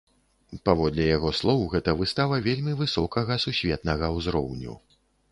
Паводле яго слоў, гэта выстава вельмі высокага, сусветнага ўзроўню.